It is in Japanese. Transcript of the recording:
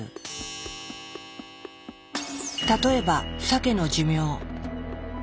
例えばサケの寿命。